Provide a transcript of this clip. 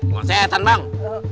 luan setan bang